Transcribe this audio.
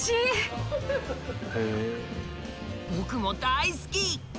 僕も大好き！